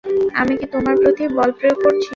আমি কি তোমার প্রতি বলপ্রয়োগ করছি?